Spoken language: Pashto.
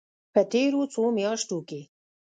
په تېرو څو میاشتو کې